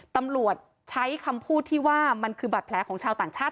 ตำรวจใช้คำพูดที่ว่ามันคือบาดแผลของชาวต่างชาติ